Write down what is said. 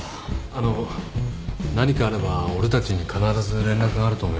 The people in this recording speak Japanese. あの何かあれば俺たちに必ず連絡があると思います。